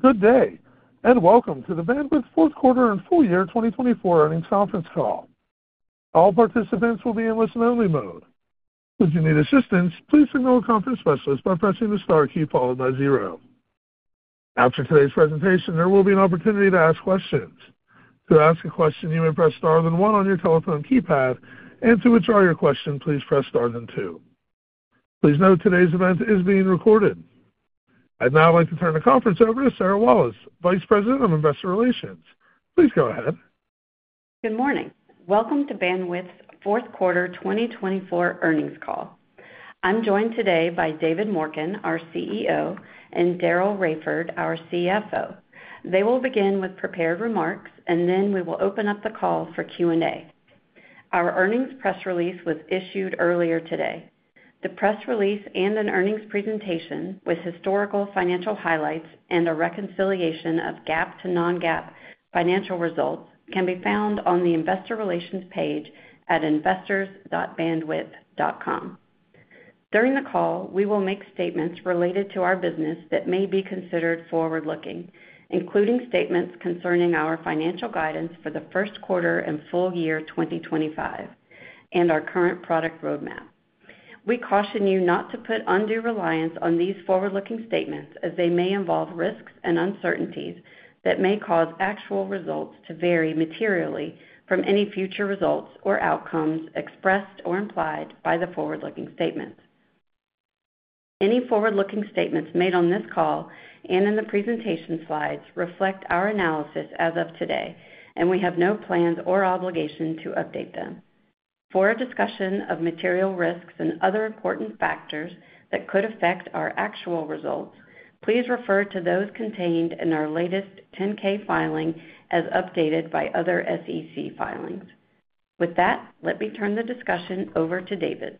Good day, and welcome to the Bandwidth fourth quarter and full year 2024 earnings conference call. All participants will be in listen-only mode. If you need assistance, please signal a conference specialist by pressing the star key followed by zero. After today's presentation, there will be an opportunity to ask questions. To ask a question, you may press star, then one on your telephone keypad, and to withdraw your question, please press star, then two. Please note today's event is being recorded. I'd now like to turn the conference over to Sarah Walas, Vice President of Investor Relations. Please go ahead. Good morning. Welcome to Bandwidth fourth quarter 2024 earnings call. I'm joined today by David Morken, our CEO, and Daryl Raiford, our CFO. They will begin with prepared remarks, and then we will open up the call for Q&A. Our earnings press release was issued earlier today. The press release and an earnings presentation with historical financial highlights and a reconciliation of GAAP to non-GAAP financial results can be found on the investor relations page at investors.bandwidth.com. During the call, we will make statements related to our business that may be considered forward-looking, including statements concerning our financial guidance for the first quarter and full year 2025, and our current product roadmap. We caution you not to put undue reliance on these forward-looking statements, as they may involve risks and uncertainties that may cause actual results to vary materially from any future results or outcomes expressed or implied by the forward-looking statements. Any forward-looking statements made on this call and in the presentation slides reflect our analysis as of today, and we have no plans or obligation to update them. For a discussion of material risks and other important factors that could affect our actual results, please refer to those contained in our latest 10-K filing as updated by other SEC filings. With that, let me turn the discussion over to David.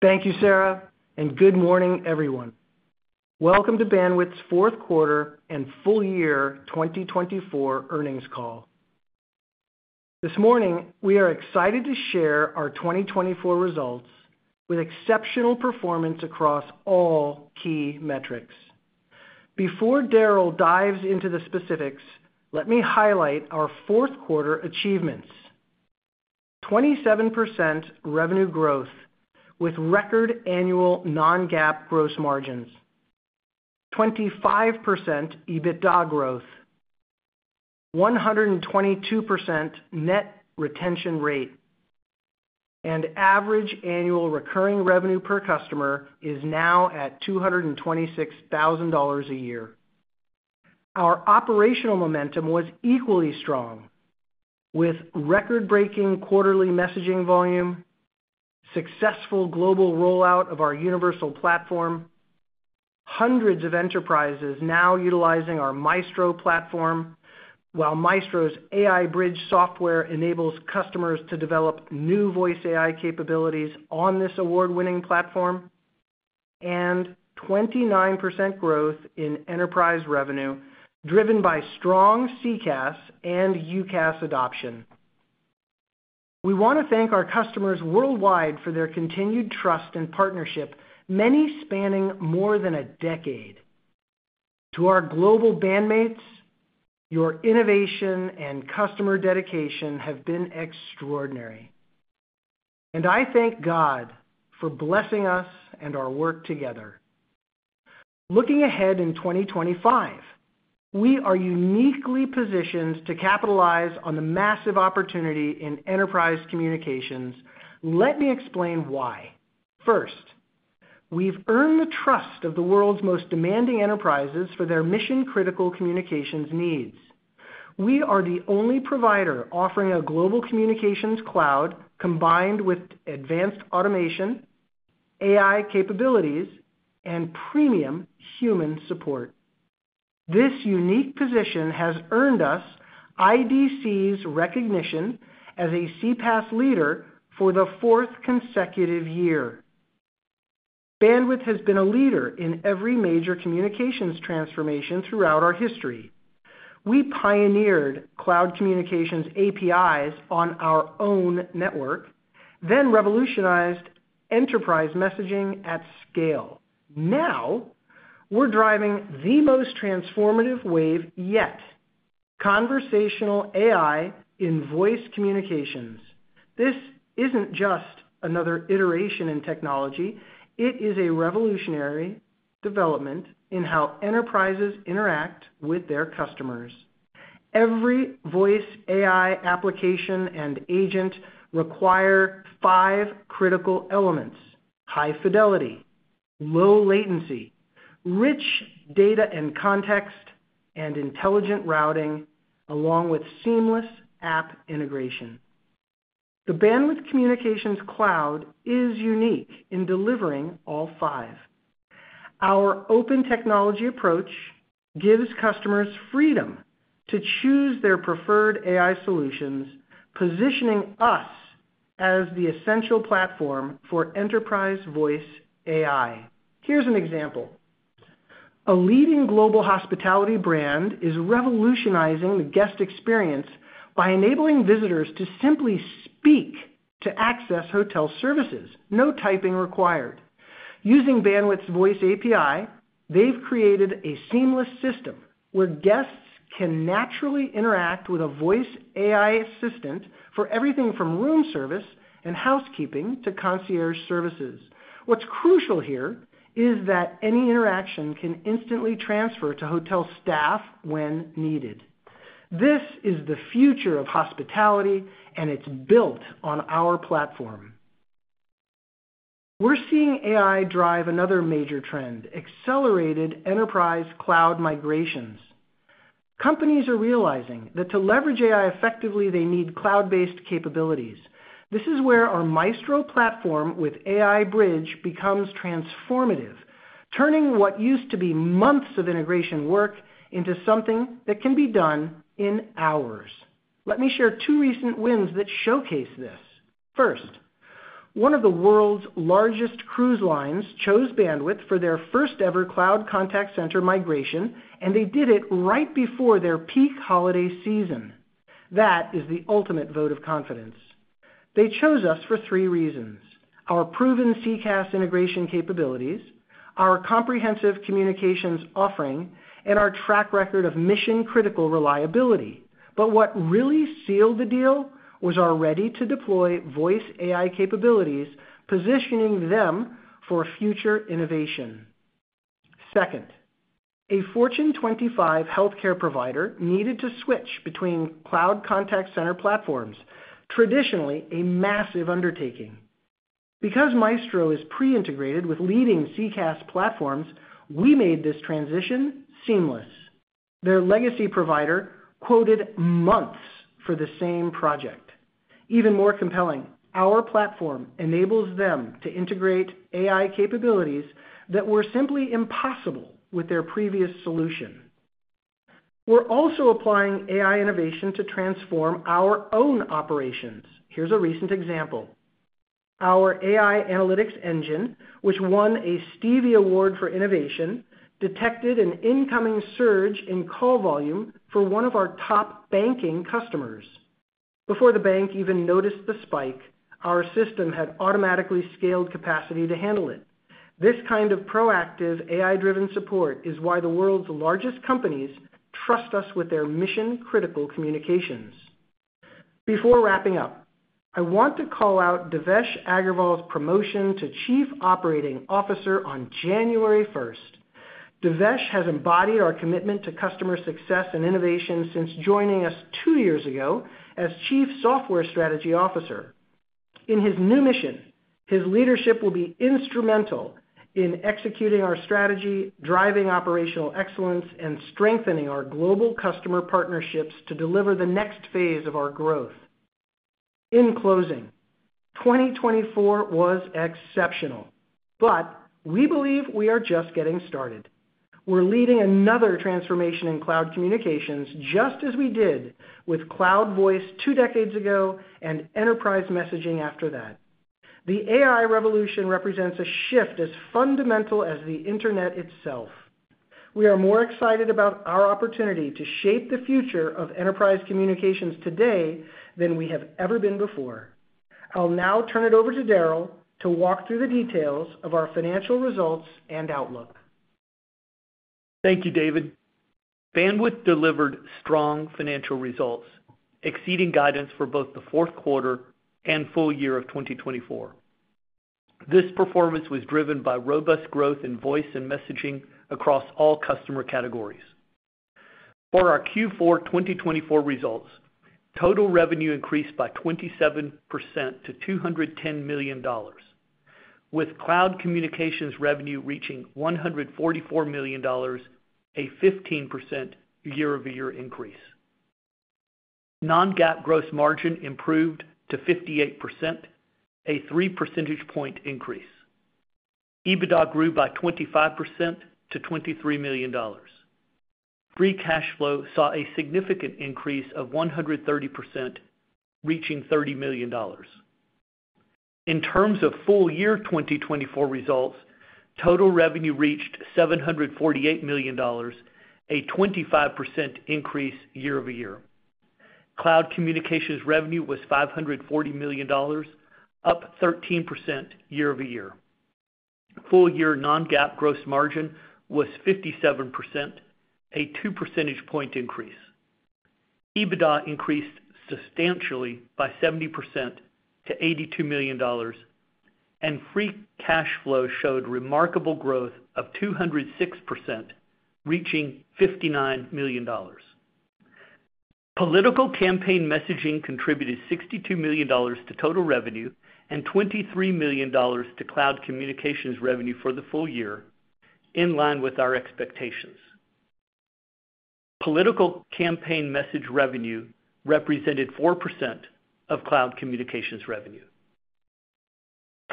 Thank you, Sarah, and good morning, everyone. Welcome to Bandwidth's fourth quarter and full year 2024 earnings call. This morning, we are excited to share our 2024 results with exceptional performance across all key metrics. Before Daryl dives into the specifics, let me highlight our fourth quarter achievements: 27% revenue growth with record annual non-GAAP gross margins, 25% EBITDA growth, 122% net retention rate, and average annual recurring revenue per customer is now at $226,000 a year. Our operational momentum was equally strong, with record-breaking quarterly messaging volume, successful global rollout of our Universal Platform, hundreds of enterprises now utilizing our Maestro platform, while Maestro's AI Bridge software enables customers to develop new voice AI capabilities on this award-winning platform, and 29% growth in enterprise revenue driven by strong CCaaS and UCaaS adoption. We want to thank our customers worldwide for their continued trust and partnership, many spanning more than a decade. To our global bandmates, your innovation and customer dedication have been extraordinary, and I thank God for blessing us and our work together. Looking ahead in 2025, we are uniquely positioned to capitalize on the massive opportunity in enterprise communications. Let me explain why. First, we've earned the trust of the world's most demanding enterprises for their mission-critical communications needs. We are the only provider offering a global communications cloud combined with advanced automation, AI capabilities, and premium human support. This unique position has earned us IDC's recognition as a CPaaS leader for the fourth consecutive year. Bandwidth has been a leader in every major communications transformation throughout our history. We pioneered Cloud Communications APIs on our own network, then revolutionized enterprise messaging at scale. Now, we're driving the most transformative wave yet: conversational AI in voice communications. This isn't just another iteration in technology. It is a revolutionary development in how enterprises interact with their customers. Every voice AI application and agent requires five critical elements: high fidelity, low latency, rich data and context, and intelligent routing, along with seamless app integration. The Bandwidth Communications Cloud is unique in delivering all five. Our open technology approach gives customers freedom to choose their preferred AI solutions, positioning us as the essential platform for Enterprise Voice AI. Here's an example: a leading global hospitality brand is revolutionizing the guest experience by enabling visitors to simply speak to access hotel services, no typing required. Using Bandwidth's voice API, they've created a seamless system where guests can naturally interact with a voice AI assistant for everything from room service and housekeeping to concierge services. What's crucial here is that any interaction can instantly transfer to hotel staff when needed. This is the future of hospitality, and it's built on our platform. We're seeing AI drive another major trend: accelerated enterprise cloud migrations. Companies are realizing that to leverage AI effectively, they need cloud-based capabilities. This is where our Maestro platform with AI Bridge becomes transformative, turning what used to be months of integration work into something that can be done in hours. Let me share two recent wins that showcase this. First, one of the world's largest cruise lines chose Bandwidth for their first-ever cloud contact center migration, and they did it right before their peak holiday season. That is the ultimate vote of confidence. They chose us for three reasons: our proven CCaaS integration capabilities, our comprehensive communications offering, and our track record of mission-critical reliability. But what really sealed the deal was our ready-to-deploy voice AI capabilities, positioning them for future innovation. Second, a Fortune 25 healthcare provider needed to switch between cloud contact center platforms, traditionally a massive undertaking. Because Maestro is pre-integrated with leading CCaaS platforms, we made this transition seamless. Their legacy provider quoted months for the same project. Even more compelling, our platform enables them to integrate AI capabilities that were simply impossible with their previous solution. We're also applying AI innovation to transform our own operations. Here's a recent example: our AI analytics engine, which won a Stevie Award for innovation, detected an incoming surge in call volume for one of our top banking customers. Before the bank even noticed the spike, our system had automatically scaled capacity to handle it. This kind of proactive AI-driven support is why the world's largest companies trust us with their mission-critical communications. Before wrapping up, I want to call out Devesh Agarwal's promotion to Chief Operating Officer on January 1st. Devesh has embodied our commitment to customer success and innovation since joining us two years ago as Chief Software Strategy Officer. In his new mission, his leadership will be instrumental in executing our strategy, driving operational excellence, and strengthening our global customer partnerships to deliver the next phase of our growth. In closing, 2024 was exceptional, but we believe we are just getting started. We're leading another transformation in cloud communications, just as we did with cloud voice two decades ago and enterprise messaging after that. The AI revolution represents a shift as fundamental as the internet itself. We are more excited about our opportunity to shape the future of enterprise communications today than we have ever been before. I'll now turn it over to Daryl to walk through the details of our financial results and outlook. Thank you, David. Bandwidth delivered strong financial results, exceeding guidance for both the fourth quarter and full year of 2024. This performance was driven by robust growth in voice and messaging across all customer categories. For our Q4 2024 results, total revenue increased by 27% to $210 million, with cloud communications revenue reaching $144 million, a 15% year-over-year increase. Non-GAAP gross margin improved to 58%, a 3 percentage point increase. EBITDA grew by 25% to $23 million. Free cash flow saw a significant increase of 130%, reaching $30 million. In terms of full year 2024 results, total revenue reached $748 million, a 25% increase year-over-year. Cloud communications revenue was $540 million, up 13% year-over-year. Full year non-GAAP gross margin was 57%, a 2 percentage point increase. EBITDA increased substantially by 70% to $82 million, and free cash flow showed remarkable growth of 206%, reaching $59 million. Political campaign messaging contributed $62 million to total revenue and $23 million to cloud communications revenue for the full year, in line with our expectations. Political campaign message revenue represented 4% of cloud communications revenue.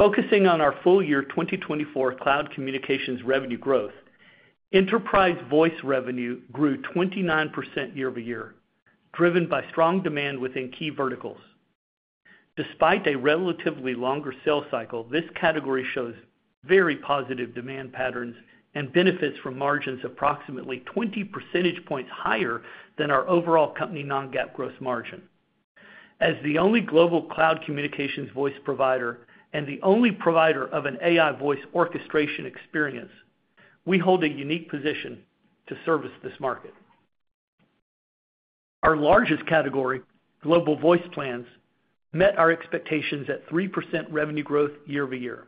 Focusing on our full year 2024 cloud communications revenue growth, Enterprise Voice revenue grew 29% year-over-year, driven by strong demand within key verticals. Despite a relatively longer sales cycle, this category shows very positive demand patterns and benefits from margins approximately 20 percentage points higher than our overall company non-GAAP gross margin. As the only global cloud communications voice provider and the only provider of an AI voice orchestration experience, we hold a unique position to service this market. Our largest category, Global Voice Plans, met our expectations at 3% revenue growth year-over-year.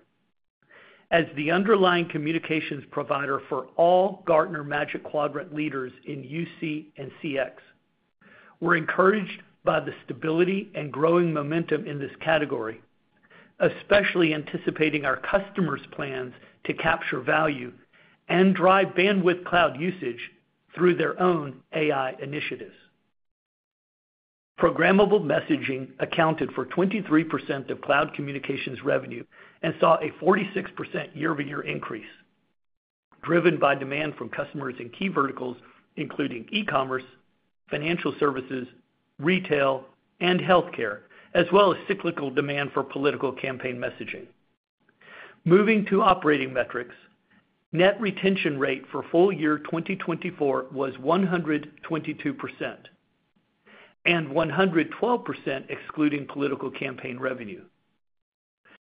As the underlying communications provider for all Gartner Magic Quadrant leaders in UC and CX, we're encouraged by the stability and growing momentum in this category, especially anticipating our customers' plans to capture value and drive Bandwidth cloud usage through their own AI initiatives. Programmable Messaging accounted for 23% of cloud communications revenue and saw a 46% year-over-year increase, driven by demand from customers in key verticals including e-commerce, financial services, retail, and healthcare, as well as cyclical demand for political campaign messaging. Moving to operating metrics, net retention rate for full year 2024 was 122%, and 112% excluding political campaign revenue.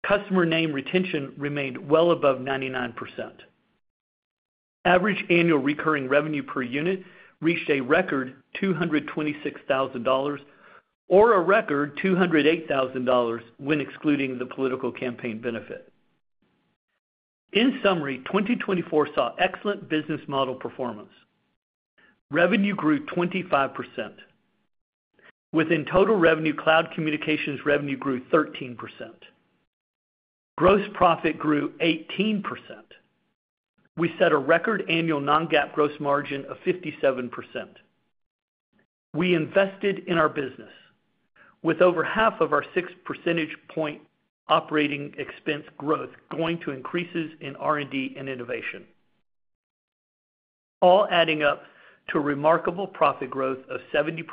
Customer name retention remained well above 99%. Average annual recurring revenue per unit reached a record $226,000 or a record $208,000 when excluding the political campaign benefit. In summary, 2024 saw excellent business model performance. Revenue grew 25%. Within total revenue, cloud communications revenue grew 13%. Gross profit grew 18%. We set a record annual non-GAAP gross margin of 57%. We invested in our business, with over half of our 6 percentage point operating expense growth going to increases in R&D and innovation, all adding up to a remarkable profit growth of 70%,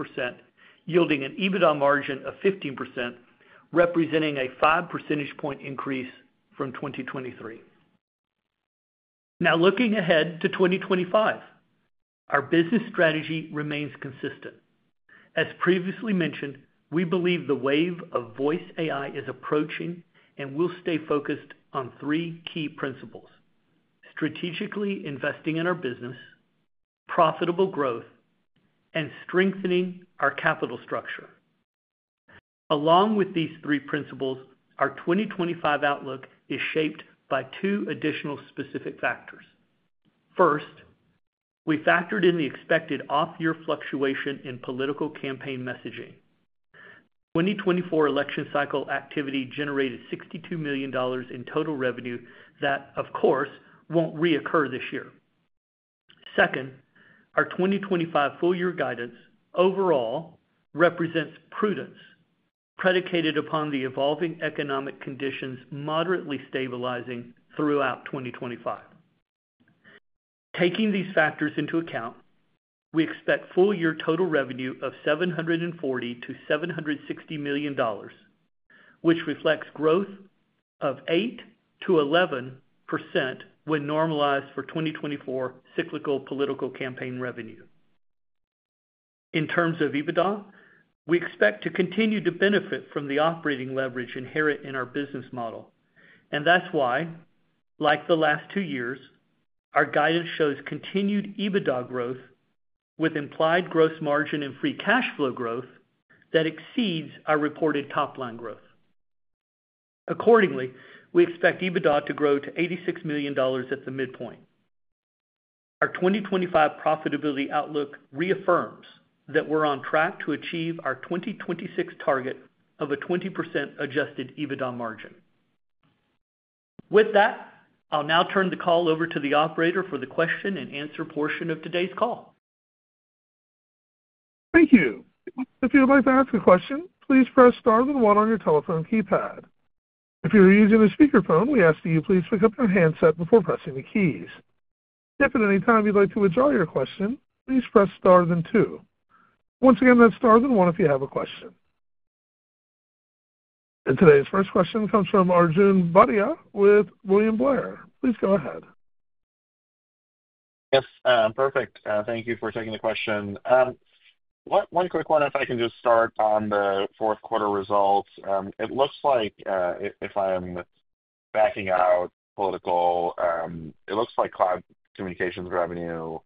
yielding an EBITDA margin of 15%, representing a 5 percentage point increase from 2023. Now, looking ahead to 2025, our business strategy remains consistent. As previously mentioned, we believe the wave of voice AI is approaching and will stay focused on three key principles: strategically investing in our business, profitable growth, and strengthening our capital structure. Along with these three principles, our 2025 outlook is shaped by two additional specific factors. First, we factored in the expected off-year fluctuation in political campaign messaging. The 2024 election cycle activity generated $62 million in total revenue that, of course, won't reoccur this year. Second, our 2025 full-year guidance overall represents prudence, predicated upon the evolving economic conditions moderately stabilizing throughout 2025. Taking these factors into account, we expect full-year total revenue of $740 million-$760 million, which reflects growth of 8%-11% when normalized for 2024 cyclical political campaign revenue. In terms of EBITDA, we expect to continue to benefit from the operating leverage inherent in our business model, and that's why, like the last two years, our guidance shows continued EBITDA growth with implied gross margin and free cash flow growth that exceeds our reported top-line growth. Accordingly, we expect EBITDA to grow to $86 million at the midpoint. Our 2025 profitability outlook reaffirms that we're on track to achieve our 2026 target of a 20% adjusted EBITDA margin. With that, I'll now turn the call over to the operator for the question-and-answer portion of today's call. Thank you. If you'd like to ask a question, please press star then one on your telephone keypad. If you're using a speakerphone, we ask that you please pick up your handset before pressing the keys. If at any time you'd like to withdraw your question, please press star then two. Once again, that's star then one if you have a question, and today's first question comes from Arjun Bhatia with William Blair. Please go ahead. Yes, perfect. Thank you for taking the question. One quick one, if I can just start on the fourth quarter results. It looks like, if I'm backing out political, it looks like cloud communications revenue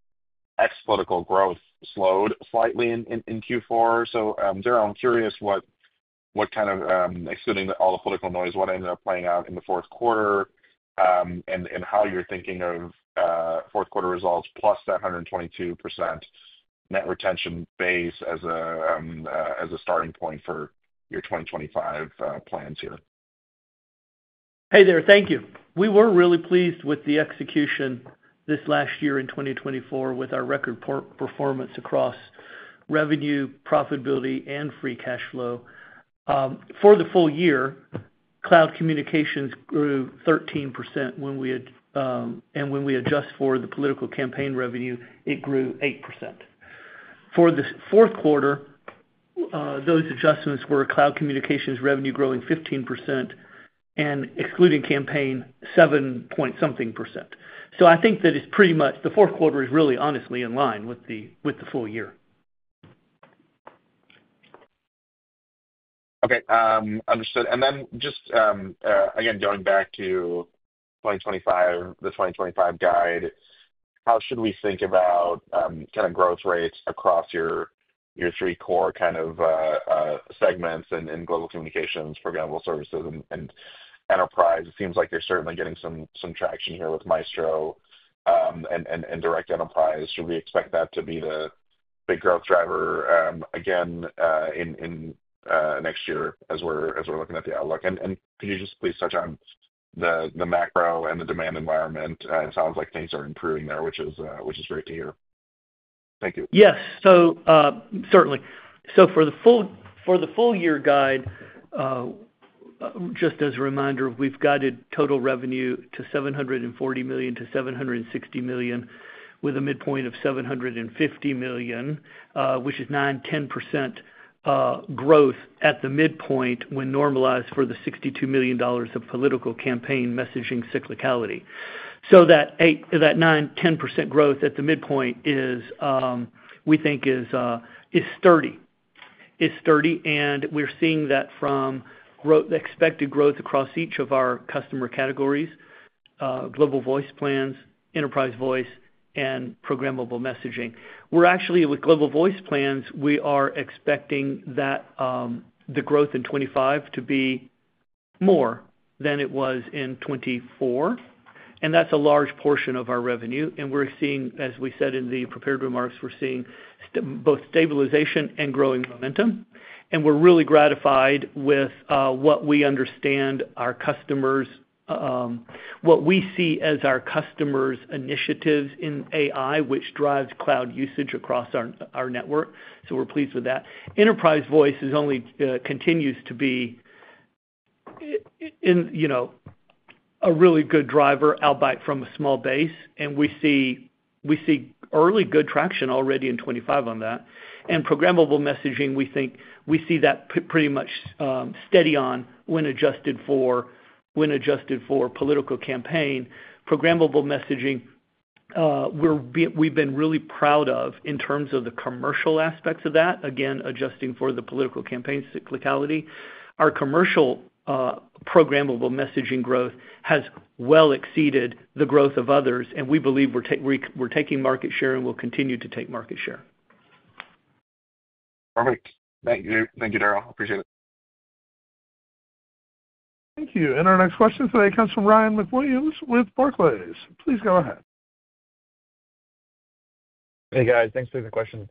ex-political growth slowed slightly in Q4. So, Daryl, I'm curious what kind of, excluding all the political noise, what ended up playing out in the fourth quarter and how you're thinking of fourth quarter results plus that 122% net retention base as a starting point for your 2025 plans here. Hey there, thank you. We were really pleased with the execution this last year in 2024 with our record performance across revenue, profitability, and free cash flow. For the full year, cloud communications grew 13%, and when we adjust for the political campaign revenue, it grew 8%. For the fourth quarter, those adjustments were cloud communications revenue growing 15%, and excluding campaign, 7 point something %. So I think that it's pretty much the fourth quarter is really honestly in line with the full year. Okay, understood. And then just, again, going back to the 2025 guide, how should we think about kind of growth rates across your three core kind of segments in global communications, programmable services, and enterprise? It seems like you're certainly getting some traction here with Maestro and direct enterprise. Should we expect that to be the big growth driver again next year as we're looking at the outlook? And could you just please touch on the macro and the demand environment? It sounds like things are improving there, which is great to hear. Thank you. Yes, so certainly. So for the full year guide, just as a reminder, we've guided total revenue to $740 million-$760 million, with a midpoint of $750 million, which is 9%-10% growth at the midpoint when normalized for the $62 million of political campaign messaging cyclicality. So that 9%-10% growth at the midpoint is, we think, is sturdy. It's sturdy, and we're seeing that from expected growth across each of our customer categories: global voice plans, Enterprise Voice, and Programmable Messaging. We're actually, with global voice plans, we are expecting that the growth in 2025 to be more than it was in 2024, and that's a large portion of our revenue. And we're seeing, as we said in the prepared remarks, we're seeing both stabilization and growing momentum, and we're really gratified with what we see as our customers' initiatives in AI, which drives cloud usage across our network. So we're pleased with that. Enterprise Voice continues to be a really good driver growing from a small base, and we see early good traction already in 2025 on that. And Programmable Messaging, we think we see that pretty much steady on when adjusted for political campaign. Programmable Messaging, we've been really proud of in terms of the commercial aspects of that, again, adjusting for the political campaign cyclicality. Our commercial Programmable Messaging growth has well exceeded the growth of others, and we believe we're taking market share and will continue to take market share. Perfect. Thank you, Daryl. Appreciate it. Thank you. And our next question today comes from Ryan McWilliams with Barclays. Please go ahead. Hey, guys. Thanks for the question.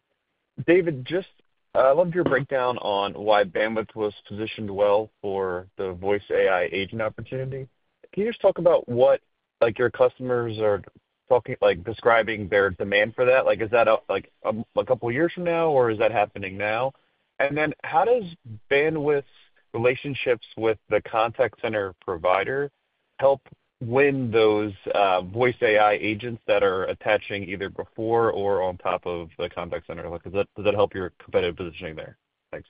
David, I just loved your breakdown on why Bandwidth was positioned well for the voice AI agent opportunity. Can you just talk about what your customers are describing their demand for that? Is that a couple of years from now, or is that happening now? And then how does Bandwidth's relationships with the contact center provider help win those voice AI agents that are attaching either before or on top of the contact center? Does that help your competitive positioning there? Thanks.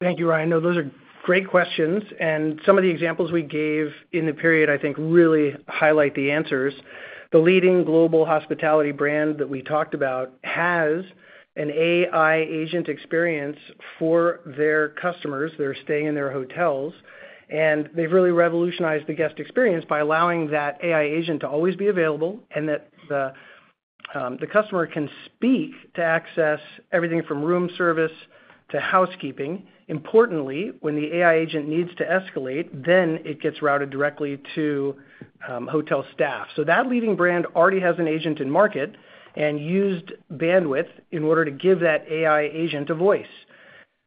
Thank you, Ryan. No, those are great questions. And some of the examples we gave in the period, I think, really highlight the answers. The leading global hospitality brand that we talked about has an AI agent experience for their customers. They're staying in their hotels, and they've really revolutionized the guest experience by allowing that AI agent to always be available and that the customer can speak to access everything from room service to housekeeping. Importantly, when the AI agent needs to escalate, then it gets routed directly to hotel staff. So that leading brand already has an agent in market and used Bandwidth in order to give that AI agent a voice.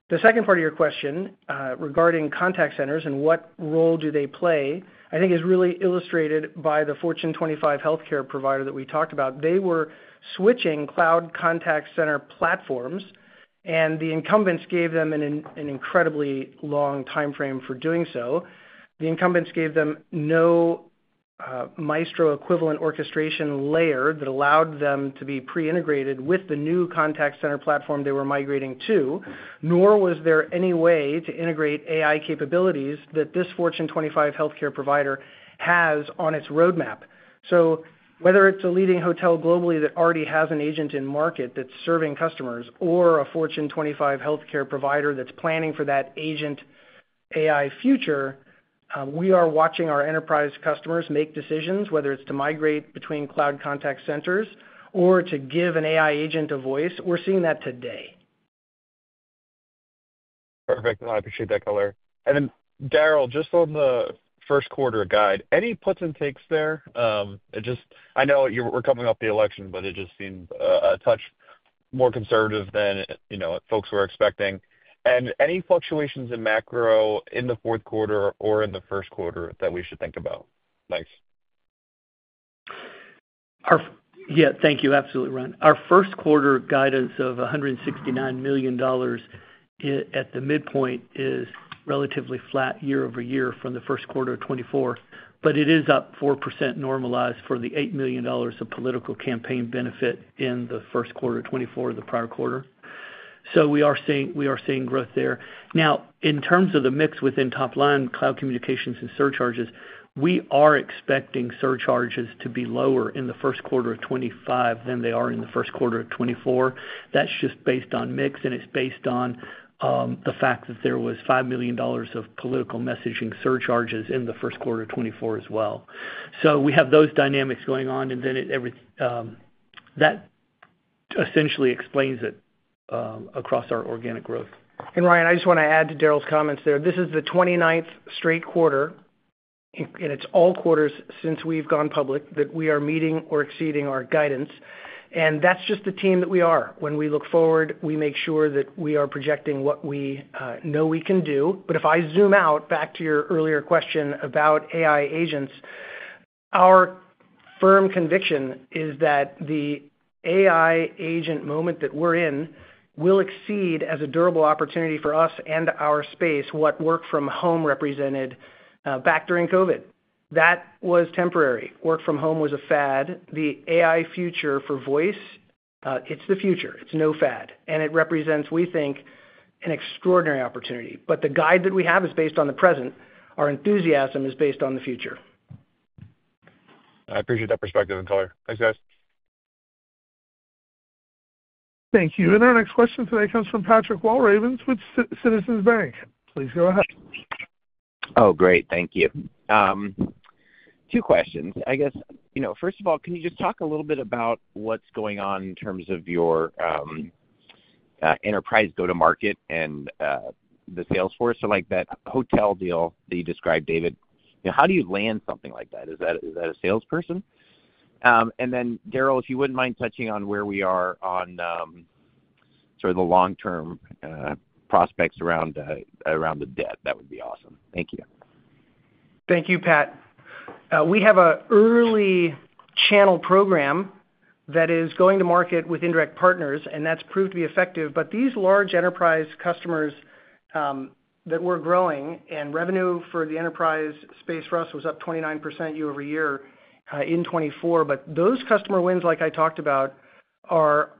The second part of your question regarding contact centers and what role do they play, I think, is really illustrated by the Fortune 25 healthcare provider that we talked about. They were switching cloud contact center platforms, and the incumbents gave them an incredibly long timeframe for doing so. The incumbents gave them no Maestro equivalent orchestration layer that allowed them to be pre-integrated with the new contact center platform they were migrating to, nor was there any way to integrate AI capabilities that this Fortune 25 healthcare provider has on its roadmap, so whether it's a leading hotel globally that already has an agent in market that's serving customers or a Fortune 25 healthcare provider that's planning for that agent AI future, we are watching our enterprise customers make decisions, whether it's to migrate between cloud contact centers or to give an AI agent a voice. We're seeing that today. Perfect. I appreciate that, color. And then, Daryl, just on the first quarter guide, any puts and takes there? I know we're coming up the election, but it just seems a touch more conservative than folks were expecting. And any fluctuations in macro in the fourth quarter or in the first quarter that we should think about? Thanks. Yeah, thank you. Absolutely, Ryan. Our first quarter guidance of $169 million at the midpoint is relatively flat year-over-year from the first quarter of 2024, but it is up 4% normalized for the $8 million of political campaign benefit in the first quarter of 2024, the prior quarter. So we are seeing growth there. Now, in terms of the mix within top-line cloud communications and surcharges, we are expecting surcharges to be lower in the first quarter of 2025 than they are in the first quarter of 2024. That's just based on mix, and it's based on the fact that there was $5 million of political messaging surcharges in the first quarter of 2024 as well. So we have those dynamics going on, and then that essentially explains it across our organic growth. And Ryan, I just want to add to Daryl's comments there. This is the 29th straight quarter, and it's all quarters since we've gone public that we are meeting or exceeding our guidance. And that's just the team that we are. When we look forward, we make sure that we are projecting what we know we can do. But if I zoom out back to your earlier question about AI agents, our firm conviction is that the AI agent moment that we're in will exceed as a durable opportunity for us and our space what work from home represented back during COVID. That was temporary. Work from home was a fad. The AI future for voice, it's the future. It's no fad. And it represents, we think, an extraordinary opportunity. But the guide that we have is based on the present. Our enthusiasm is based on the future. I appreciate that perspective, Claire. Thanks, guys. Thank you. And our next question today comes from Pat Walravens with Citizens Bank. Please go ahead. Oh, great. Thank you. Two questions. I guess, first of all, can you just talk a little bit about what's going on in terms of your enterprise go-to-market and the sales force? So like that hotel deal that you described, David, how do you land something like that? Is that a salesperson? And then, Daryl, if you wouldn't mind touching on where we are on sort of the long-term prospects around the debt, that would be awesome. Thank you. Thank you, Pat. We have an early channel program that is going to market with indirect partners, and that's proved to be effective. But these large enterprise customers that we're growing, and revenue for the enterprise space for us was up 29% year-over-year in 2024. But those customer wins, like I talked about, are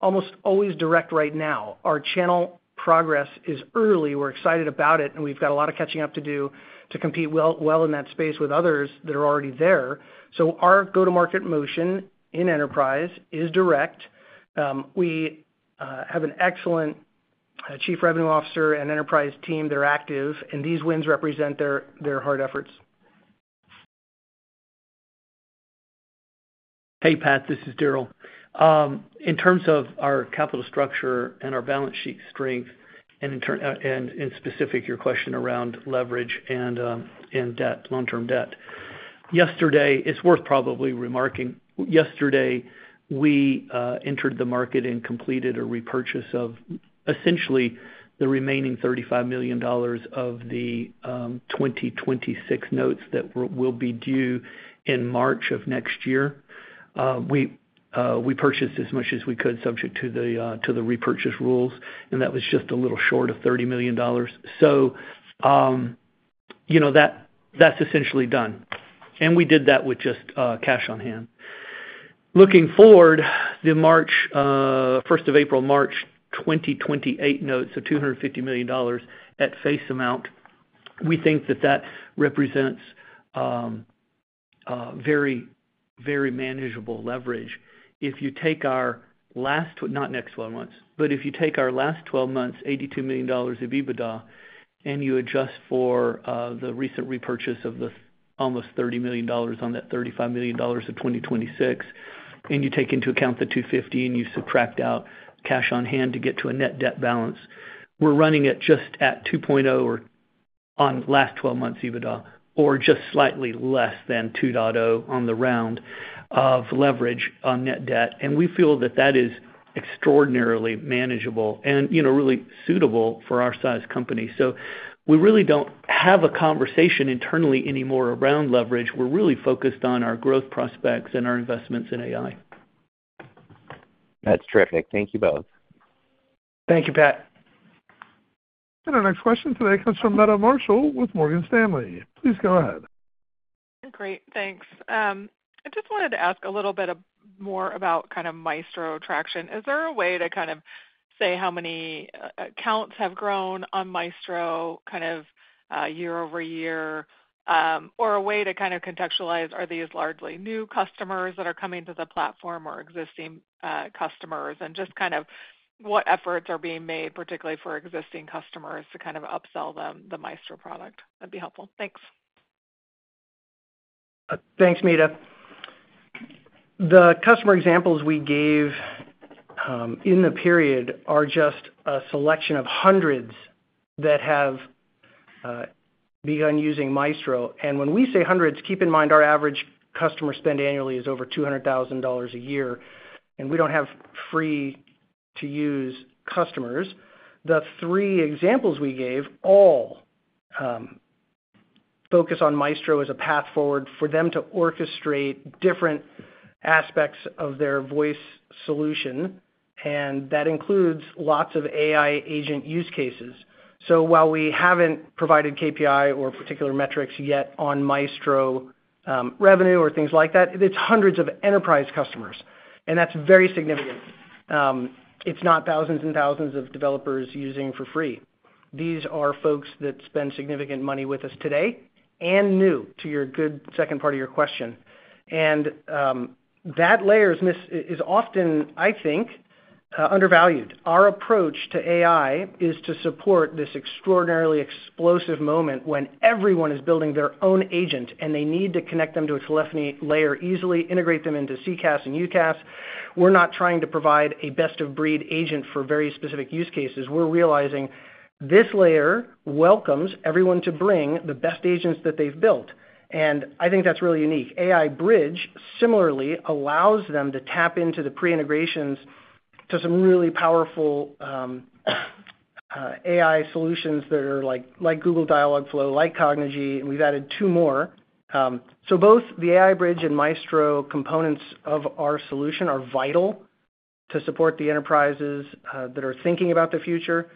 almost always direct right now. Our channel progress is early. We're excited about it, and we've got a lot of catching up to do to compete well in that space with others that are already there. So our go-to-market motion in enterprise is direct. We have an excellent Chief Revenue Officer and enterprise team that are active, and these wins represent their hard efforts. Hey, Pat, this is Daryl. In terms of our capital structure and our balance sheet strength, and specifically, your question around leverage and debt, long-term debt, yesterday, it's worth probably remarking, yesterday, we entered the market and completed a repurchase of essentially the remaining $35 million of the 2026 notes that will be due in March of next year. We purchased as much as we could, subject to the repurchase rules, and that was just a little short of $30 million. So that's essentially done. And we did that with just cash on hand. Looking forward, the April 1st, 2028 notes of $250 million at face amount, we think that that represents very, very manageable leverage. If you take our last, not next 12 months, but if you take our last 12 months, $82 million of EBITDA, and you adjust for the recent repurchase of the almost $30 million on that $35 million of 2026, and you take into account the 250, and you subtract out cash on hand to get to a net debt balance, we're running it just at 2.0 on last 12 months EBITDA, or just slightly less than 2.0 on the round of leverage on net debt. And we feel that that is extraordinarily manageable and really suitable for our size company. So we really don't have a conversation internally anymore around leverage. We're really focused on our growth prospects and our investments in AI. That's terrific. Thank you both. Thank you, Pat. Our next question today comes from Meta Marshall with Morgan Stanley. Please go ahead. Great. Thanks. I just wanted to ask a little bit more about kind of Maestro traction. Is there a way to kind of say how many accounts have grown on Maestro kind of year-over-year, or a way to kind of contextualize? Are these largely new customers that are coming to the platform or existing customers? And just kind of what efforts are being made, particularly for existing customers, to kind of upsell them the Maestro product? That'd be helpful. Thanks. Thanks, Meta. The customer examples we gave in the period are just a selection of hundreds that have begun using Maestro, and when we say hundreds, keep in mind our average customer spend annually is over $200,000 a year, and we don't have free-to-use customers. The three examples we gave all focus on Maestro as a path forward for them to orchestrate different aspects of their voice solution, and that includes lots of AI agent use cases, so while we haven't provided KPI or particular metrics yet on Maestro revenue or things like that, it's hundreds of enterprise customers, and that's very significant. It's not thousands and thousands of developers using for free. These are folks that spend significant money with us today and new, to your good second part of your question, and that layer is often, I think, undervalued. Our approach to AI is to support this extraordinarily explosive moment when everyone is building their own agent, and they need to connect them to a telephony layer easily, integrate them into CCaaS and UCaaS. We're not trying to provide a best-of-breed agent for very specific use cases. We're realizing this layer welcomes everyone to bring the best agents that they've built. And I think that's really unique. AI Bridge, similarly, allows them to tap into the pre-integrations to some really powerful AI solutions that are like Google Dialogflow, like Cognigy, and we've added two more. So both the AI Bridge and Maestro components of our solution are vital to support the enterprises that are thinking about the future.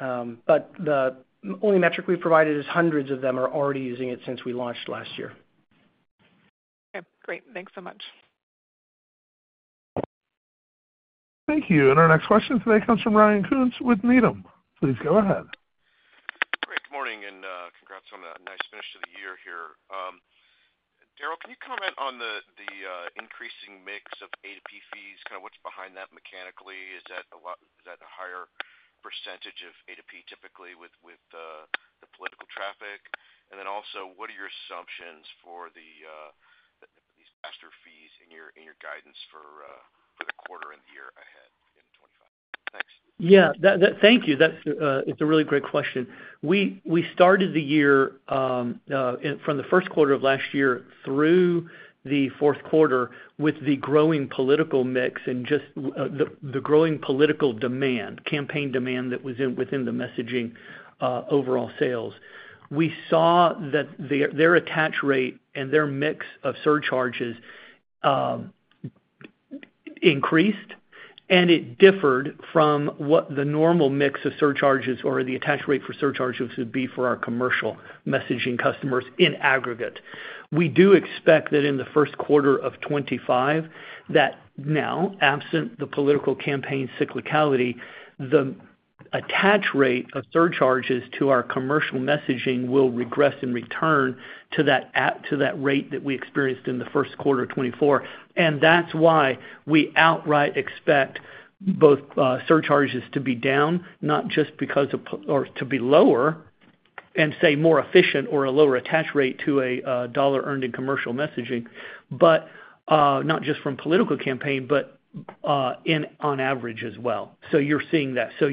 But the only metric we've provided is hundreds of them are already using it since we launched last year. Okay. Great. Thanks so much. Thank you. And our next question today comes from Ryan Koontz with Needham. Please go ahead. Great. Good morning, and congrats on a nice finish to the year here. Daryl, can you comment on the increasing mix of A2P fees? Kind of what's behind that mechanically? Is that a higher percentage of A2P typically with the political traffic? And then also, what are your assumptions for these A2P fees in your guidance for the quarter and the year ahead in 2025? Thanks. Yeah. Thank you. It's a really great question. We started the year from the first quarter of last year through the fourth quarter with the growing political mix and just the growing political demand, campaign demand that was within the messaging overall sales. We saw that their attach rate and their mix of surcharges increased, and it differed from what the normal mix of surcharges or the attach rate for surcharges would be for our commercial messaging customers in aggregate. We do expect that in the first quarter of 2025, that now, absent the political campaign cyclicality, the attach rate of surcharges to our commercial messaging will regress and return to that rate that we experienced in the first quarter of 2024. And that's why we outright expect both surcharges to be down, not just because of, or to be lower, and say, more efficient or a lower attach rate to a dollar earned in commercial messaging, but not just from political campaign, but on average as well. So you're seeing that. So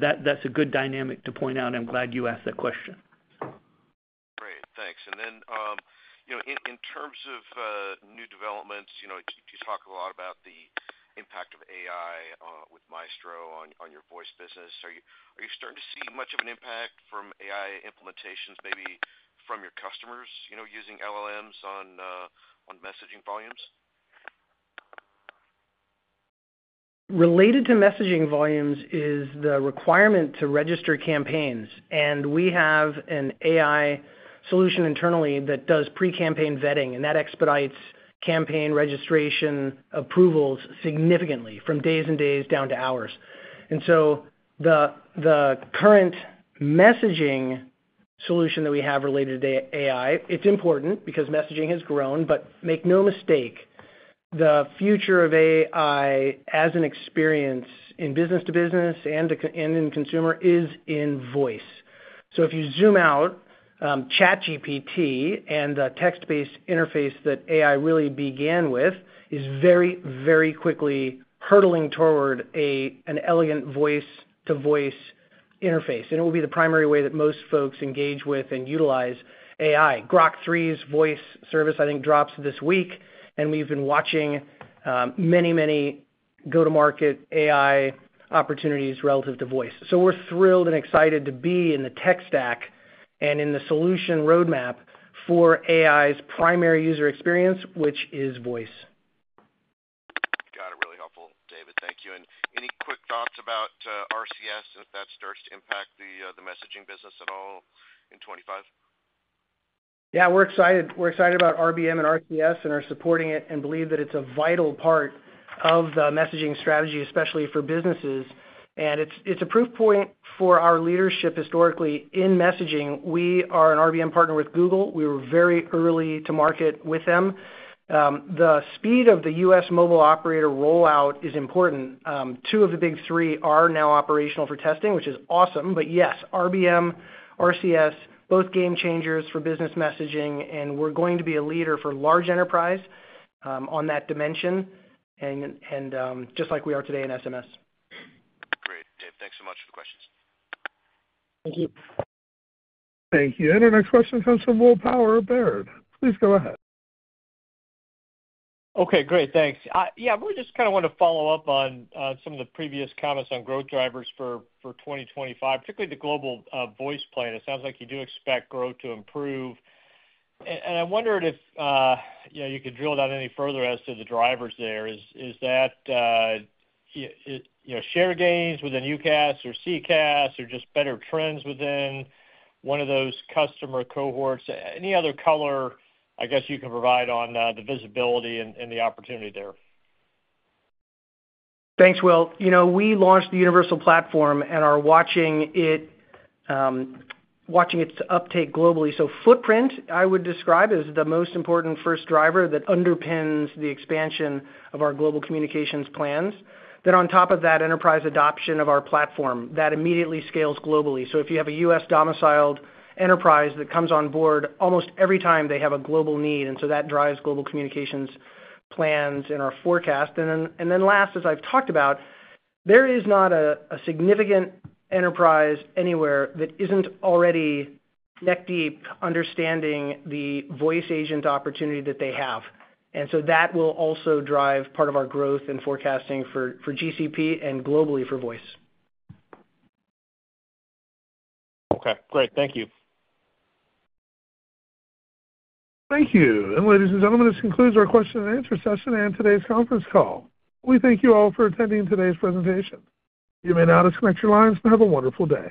that's a good dynamic to point out, and I'm glad you asked that question. Great. Thanks. And then in terms of new developments, you talk a lot about the impact of AI with Maestro on your voice business. Are you starting to see much of an impact from AI implementations, maybe from your customers using LLMs on messaging volumes? Related to messaging volumes is the requirement to register campaigns, and we have an AI solution internally that does pre-campaign vetting, and that expedites campaign registration approvals significantly from days and days down to hours, and so the current messaging solution that we have related to AI. It's important because messaging has grown, but make no mistake, the future of AI as an experience in business to business and in consumer is in voice, so if you zoom out, ChatGPT and the text-based interface that AI really began with is very, very quickly hurtling toward an elegant voice-to-voice interface, and it will be the primary way that most folks engage with and utilize AI. Grok 3's voice service, I think, drops this week, and we've been watching many, many go-to-market AI opportunities relative to voice. So we're thrilled and excited to be in the tech stack and in the solution roadmap for AI's primary user experience, which is voice. Got it. Really helpful, David. Thank you. And any quick thoughts about RCS and if that starts to impact the messaging business at all in 2025? Yeah, we're excited. We're excited about RBM and RCS and are supporting it and believe that it's a vital part of the messaging strategy, especially for businesses, and it's a proof point for our leadership historically in messaging. We are an RBM partner with Google. We were very early to market with them. The speed of the U.S. mobile operator rollout is important. Two of the big three are now operational for testing, which is awesome, but yes, RBM, RCS, both game changers for business messaging, and we're going to be a leader for large enterprise on that dimension, just like we are today in SMS. Great. David, thanks so much for the questions. Thank you. Thank you. And our next question comes from Will Power at Baird. Please go ahead. Okay. Great. Thanks. Yeah, we just kind of want to follow up on some of the previous comments on growth drivers for 2025, particularly the Global Voice Plan. It sounds like you do expect growth to improve. And I wondered if you could drill down any further as to the drivers there. Is that share gains within UCaaS or CCaaS or just better trends within one of those customer cohorts? Any other color, I guess, you can provide on the visibility and the opportunity there? Thanks, Will. We launched the universal platform and are watching its uptake globally. So footprint, I would describe as the most important first driver that underpins the expansion of our Global Communications Plans. Then on top of that, enterprise adoption of our platform that immediately scales globally. So if you have a U.S. domiciled enterprise that comes on board, almost every time they have a global need, and so that drives Global Communications Plans in our forecast. And then last, as I've talked about, there is not a significant enterprise anywhere that isn't already neck-deep understanding the voice agent opportunity that they have. And so that will also drive part of our growth and forecasting for GCP and globally for voice. Okay. Great. Thank you. Thank you. And ladies and gentlemen, this concludes our question and answer session and today's conference call. We thank you all for attending today's presentation. You may now disconnect your lines and have a wonderful day.